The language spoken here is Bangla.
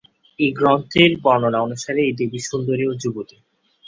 এই গ্রন্থের বর্ণনা অনুসারে, এই দেবী সুন্দরী ও যুবতী।